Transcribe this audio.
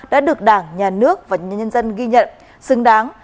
đã được đảng nhà nước và nhân dân ghi nhận xứng đáng